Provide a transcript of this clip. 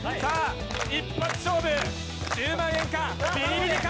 一発勝負、１０万円か、ビリビリか。